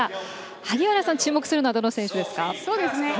萩原さん、注目するのはどの選手ですか？